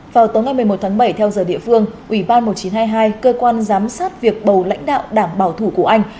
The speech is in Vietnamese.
vào tối ngày một mươi một tháng bảy theo giờ địa phương ủy ban một nghìn chín trăm hai mươi hai cơ quan giám sát việc bầu lãnh đạo đảng bảo thủ của anh